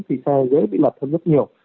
thì xe dễ bị lật hơn rất nhiều